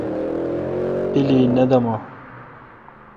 پیلی نہ دمان۔